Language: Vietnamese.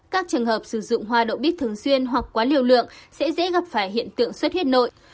các trường hợp sử dụng hoa đậu bích thường xuyên hoặc quá liều lượng sẽ dễ gặp phải hiện tượng xuất huyết nội